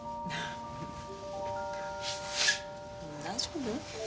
大丈夫？